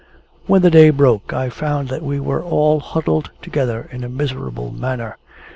When the day broke, I found that we were all huddled together in a miserable manner.